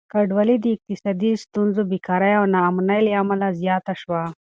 کډوالي د اقتصادي ستونزو، بېکاري او ناامني له امله زياته شوه.